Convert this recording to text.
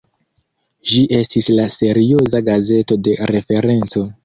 Ĝi estis la serioza "gazeto de referenco".